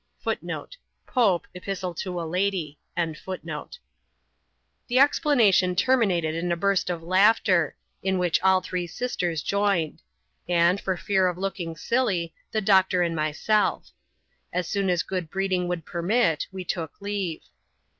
* The explanation terminated in a burst of laughter, in which all three sisters joined; and, for fear of looking silly, the doctor and myself. As soon as good breeding would permit, we took leave.